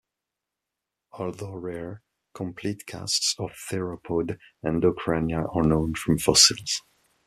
Although rare, complete casts of theropod endocrania are known from fossils.